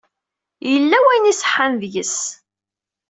Yella wayen iṣeḥḥan deg-s..